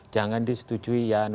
jangan disetujui ya